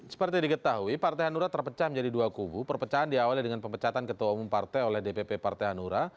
seperti diketahui partai hanura terpecah menjadi dua kubu perpecahan diawali dengan pemecatan ketua umum partai oleh dpp partai hanura